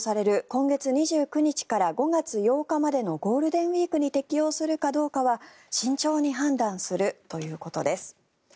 今月２９日から５月８日までのゴールデンウィークに適用するかどうかは慎重に判断するということです。